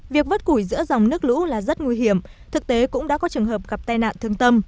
việc vớt củi giữa dòng nước lũ là rất nguy hiểm thực tế cũng đã có trường hợp gặp tai nạn thương tâm